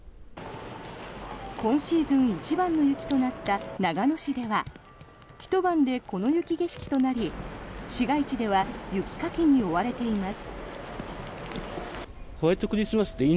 今シーズン一番の雪となった長野市ではひと晩でこの雪景色となり市街地では雪かきに追われています。